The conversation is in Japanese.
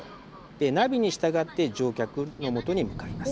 ナビに従って乗客のもとに向かいます。